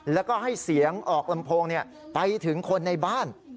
แล้วก็ให้เสียงออกลำโพงไปถึงคนในบ้าน